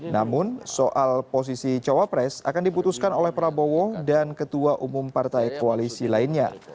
namun soal posisi cawapres akan diputuskan oleh prabowo dan ketua umum partai koalisi lainnya